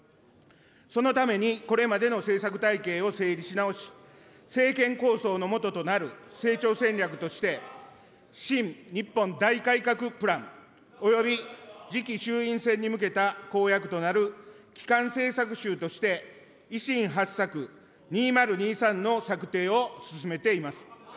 そのためにこれまでの政策体系を整理し直し、政権構想のもととなる成長戦略として、新・日本大改革プランおよび次期衆院選に向けた公約となる基幹政策集として、維新八策２０２３の策定を進めています。